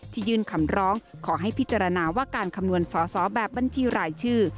ยื่นคำร้องขอให้พิจารณาว่าการคำนวณสอสอแบบบัญชีรายชื่อ